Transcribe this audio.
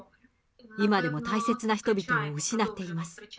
今でも大切な人々を失っています。